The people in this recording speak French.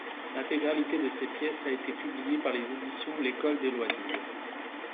L'intégralité de ses pièces a été publiée par les éditions L'École des loisirs.